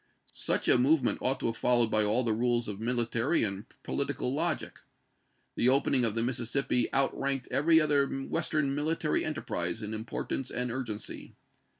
Such a move ment ought to have followed by all the rules of military and political logic. The opening of the Mississippi outranked every other Western military enterprise in importance and urgency.